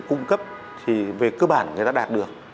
cung cấp thì về cơ bản người ta đạt được